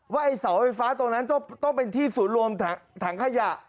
ไอ้เสาไฟฟ้าตรงนั้นต้องเป็นที่ศูนย์รวมถังขยะ